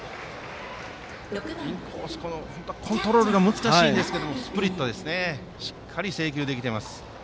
インコースのコントロール難しいんですがスプリットしっかり制球できています。